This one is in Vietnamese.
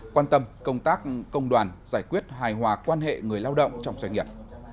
quan tâm công tác công đoàn giải quyết hài hòa quan hệ người lao động trong doanh nghiệp